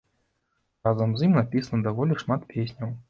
Разам з ім напісана даволі шмат песняў.